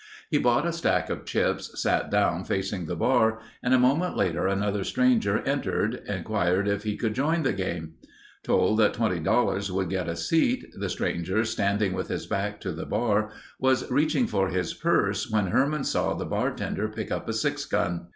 He bought a stack of chips, sat down facing the bar and a moment later another stranger entered, inquired if he could join the game. Told that $20 would get a seat, the stranger standing with his back to the bar was reaching for his purse when Herman saw the bartender pick up a six gun.